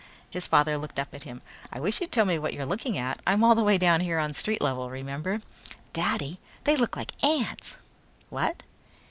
His father looked up at him. "I wish you'd tell me what you are looking at. I'm all the way down here on street level, remember?" "Daddy, they look like ants!" "What?"